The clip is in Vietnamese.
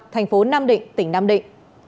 tp nam định tỉnh nam định